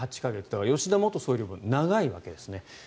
だから吉田元総理も長いわけですね。